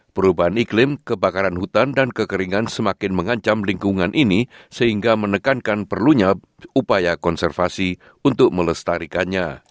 perubahan iklim kebakaran hutan dan kekeringan semakin mengancam lingkungan ini sehingga menekankan perlunya upaya konservasi untuk melestarikannya